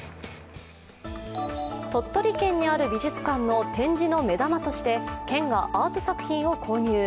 鳥取県にある美術館の展示の目玉として県がアート作品を購入。